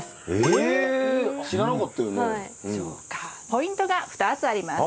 ポイントが２つあります。